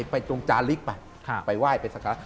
จงจาลิกไปไปไหว้ไปสักการะ